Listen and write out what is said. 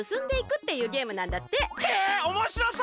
へえおもしろそう！